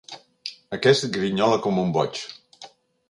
Aquest grinyola com un boig.